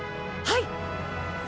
はい！